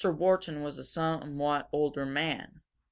Wharton was a somewhat older man.